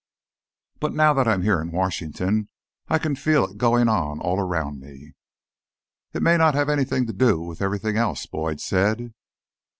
But now that I'm here in Washington, I can feel it going on all around me." "It may not have anything to do with everything else," Boyd said.